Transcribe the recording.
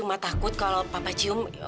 pah mamah cuma takut kalau papa cium